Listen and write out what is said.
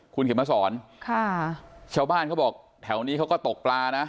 คุณเข็มมาสอนค่ะชาวบ้านเขาบอกแถวนี้เขาก็ตกปลานะ